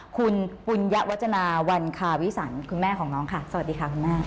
คุณปุญยวัจจนาวันคาวิสันคุณแม่ของน้องค่ะสวัสดีค่ะคุณแม่